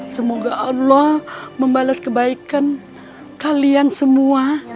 semoga allah membalas kebaikan kalian semua